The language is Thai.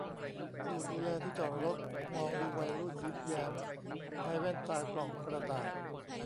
ผู้ดูแลที่จอดรถมองดูวัยรุ่นยิ้มแย้มในแว่นตากล่องกระดาษ